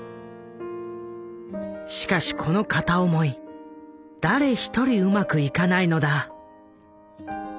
しかしこの片思い誰一人うまくいかないのだ。